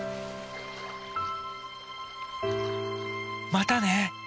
またね！